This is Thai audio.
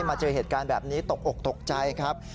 มาเจอเหตุการณ์แบบนี้ตกอกตกใจครับ